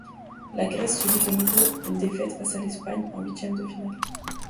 La Grèce subit de nouveau une défaite face à l'Espagne, en huitième de finale.